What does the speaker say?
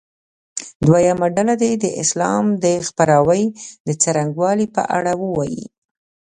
دویمه ډله دې د اسلام د خپراوي څرنګوالي په اړه ووایي.